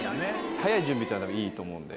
早い準備いいと思うんで。